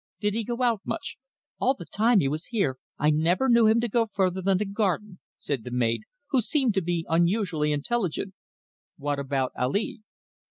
"Did he go out much?" "All the time he was here I never knew him to go further than the garden," said the maid, who seemed to be unusually intelligent. "What about Ali?"